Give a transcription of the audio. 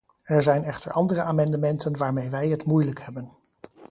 Er zijn echter andere amendementen waarmee wij het moeilijk hebben.